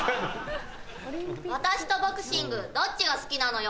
私とボクシングどっちが好きなのよ。